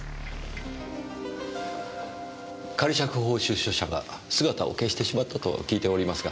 仮釈放出所者が姿を消してしまったと聞いておりますが。